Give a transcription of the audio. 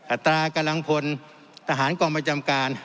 อัตรากำลังพลทหารกองประจำการ